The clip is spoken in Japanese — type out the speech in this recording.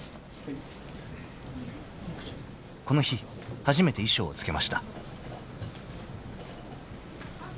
［この日初めて衣装を着けました］